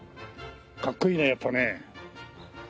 かっこいいねやっぱね。